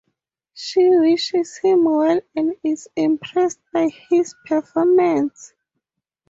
She wishes him well and is impressed by his performance.